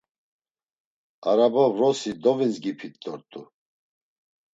Araba vrosi dovinzgipit dort̆u.